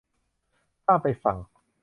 ข้ามไปฝั่ง